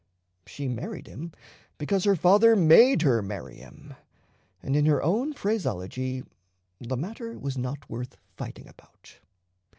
She married him because her father made her marry him, and in her own phraseology "the matter was not worth fighting about."